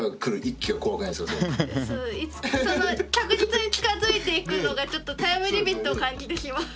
その確実に近づいていくのがちょっとタイムリミットを感じてしまう。